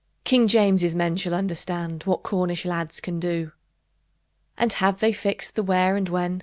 King James's men shall understand What Cornish lads can do! And have they fixed the where and when?